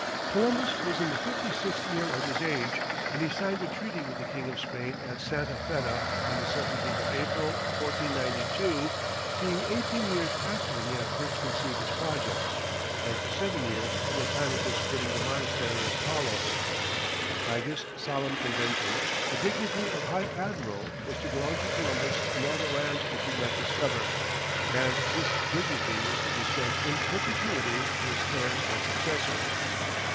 Columbus was in the fifty sixth year of his age when he signed a treaty with the King of Spain at Santa Feta on the 17th of April, 1492, being eighteen years after he had first conceived his project, and seven years from the time of his quitting the monastery of Palos. By this solemn convention, the dignity of high admiral was to belong to Columbus in all the lands which he might discover, and this dignity was to descend in perpetuity to his heirs and successors.